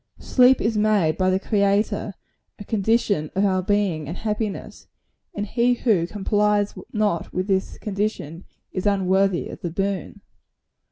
Sleep is made by the Creator a condition of our being and happiness; and he who complies not with this condition, is unworthy of the boon.